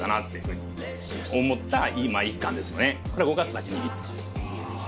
これは５月だけ握ってます。